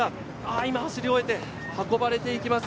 今走り終えて運ばれていきます。